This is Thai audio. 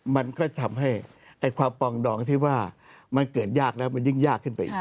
มันก็ทำให้ความปองดองที่ว่ามันเกิดยากแล้วมันยิ่งยากขึ้นไปอีก